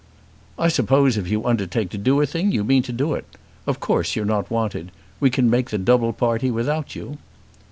"I suppose if you undertake to do a thing you mean to do it. Of course you're not wanted. We can make the double party without you."